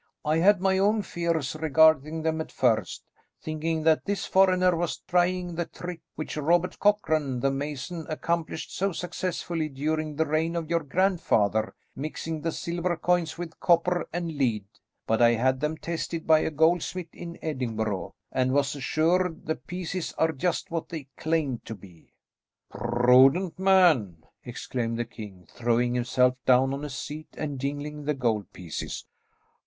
"I had my own fears regarding them at first, thinking that this foreigner was trying the trick which Robert Cockran, the mason, accomplished so successfully during the reign of your grandfather, mixing the silver coins with copper and lead; but I had them tested by a goldsmith in Edinburgh and was assured the pieces are just what they claim to be." "Prudent man!" exclaimed the king, throwing himself down on a seat and jingling the gold pieces.